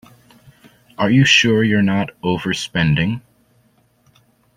Are you sure you're not overspending?